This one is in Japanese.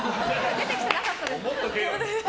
出てきてなかった。